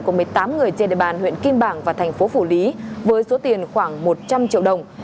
của một mươi tám người trên địa bàn huyện kim bảng và thành phố phủ lý với số tiền khoảng một trăm linh triệu đồng